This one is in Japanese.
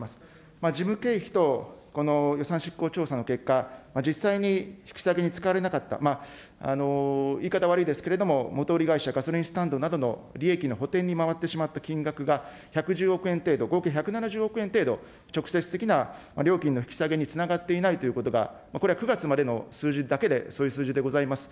事務経費と予算執行調査の結果、実際に引き下げに使われなかった、言い方悪いですけれども、元売り会社、ガソリンスタンド会社の利益の補填に回ってしまった金額が１１０億円程度、合計１７０億円程度直接的な料金の引き下げにつながっていないということが、これは９月までの数字だけで、そういう数字でございます。